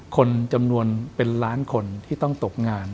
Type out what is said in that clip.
คนจำนวนเป็นล้านคนที่ต้องตกงาน